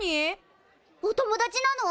お友達なの？